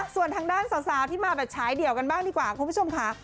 ส่วนทางด้านสาวที่มาแบบฉายเดี่ยวกันบ้างดีกว่าคุณผู้ชมค่ะ